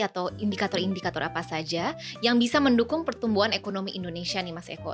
atau indikator indikator apa saja yang bisa mendukung pertumbuhan ekonomi indonesia nih mas eko